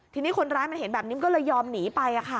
ทีนี้คนร้ายมันเห็นแบบนี้มันก็เลยยอมหนีไป